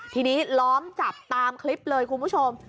ทีนี้ล้อมจับตามคลิปเลยคุณผู้ชม